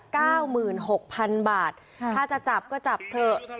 เก้าหมื่นหกพันบาทค่ะถ้าจะจับก็จับเถอะ